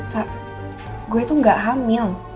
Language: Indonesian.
sa gue tuh gak hamil